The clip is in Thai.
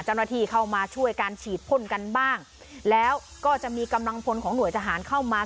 เจ้าหน้าที่เข้ามาช่วยการฉีดพ่นกันบ้างแล้วก็จะมีกำลังพลของหน่วยทหารเข้ามา